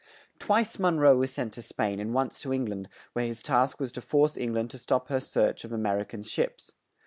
Twice Mon roe was sent to Spain and once to Eng land, where his task was to force Eng land to stop her search of A mer i can ships.